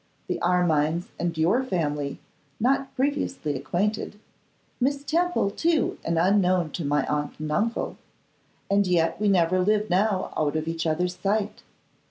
The Armines and your family not previously acquainted: Miss Temple, too, unknown to my aunt and uncle. And yet we never live now out of each other's sight.